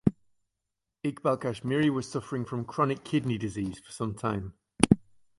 Iqbal Kashmiri was suffering from chronic kidney disease for some time.